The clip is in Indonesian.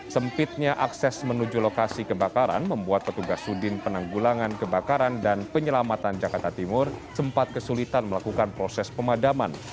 sempitnya akses menuju lokasi kebakaran membuat petugas sudin penanggulangan kebakaran dan penyelamatan jakarta timur sempat kesulitan melakukan proses pemadaman